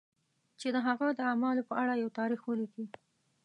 چې د هغه د اعمالو په اړه یو تاریخ ولیکي.